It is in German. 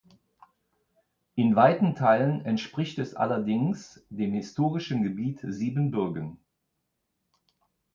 In weiten Teilen entspricht es allerdings dem historischen Gebiet Siebenbürgen.